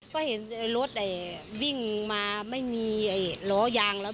ก็เห็นรถวิ่งมาไม่มีล้อยางแล้ว